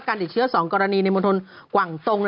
การติดเชื้อ๒กรณีในมแทว่งกลางตรง